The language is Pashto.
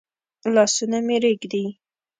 لاسونه مي رېږدي ؟